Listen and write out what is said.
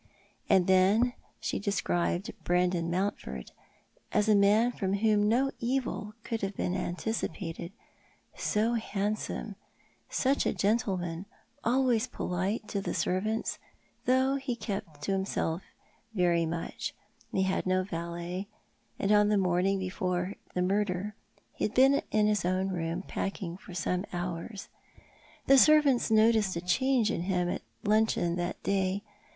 And then she described Brandon Mountford as a man from whom no evil could have been anticipated — so handsome, such a gentleman, always polite to the servants, though he kept him self very much to himself. He had no valet, and on the morning before the murder he had been in his own room packing for some hours. The servants noticed a change in him at luncheon that day.